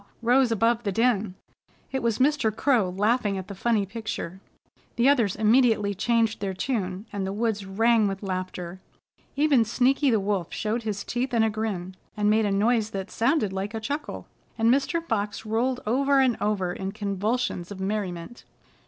rose above the din. It was Mr. Crow laughing at the funny picture. The others immediately changed their tune, and the woods rang with laughter. Even Sneaky the Wolf showed his teeth in a grin, and made a noise that sounded like a chuckle and Mr. Fox rolled over and over in convulsions of merriment.